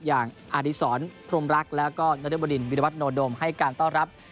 อย่างอดีศรพรมรักแล้วก็นรบดินวิรวัตโนโดมให้การต้อนรับ